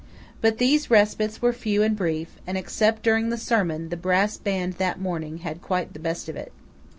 But these respites were few and brief; and except during the sermon, the brass band that morning had quite the best of it.